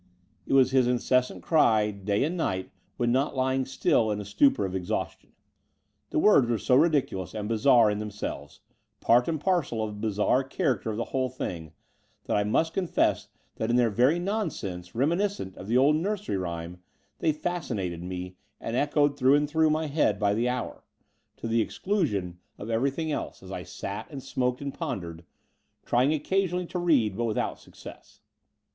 It was his incessant cry day and night when not lying still in a stupor of exhaustion. The words were so ridiculous and bizarre in themselves, part and parcel of the bizarre character of the whole thing, that I must confess that in their very nonsense, reminiscent of the old nursery rhyme, they fascinated me and echoed through and through my head by the hour, to the exclusion of 98 The Door of the Unreal everything else, as I sat and smoked and pondered, trjring occasionally to read, but without success.